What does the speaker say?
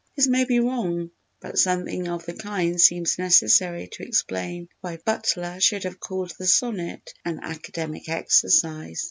This may be wrong, but something of the kind seems necessary to explain why Butler should have called the Sonnet an Academic Exercise.